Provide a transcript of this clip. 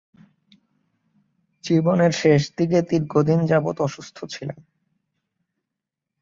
জীবনের শেষদিকে দীর্ঘদিন যাবৎ অসুস্থ ছিলেন।